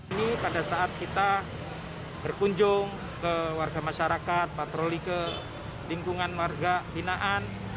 ini pada saat kita berkunjung ke warga masyarakat patroli ke lingkungan warga binaan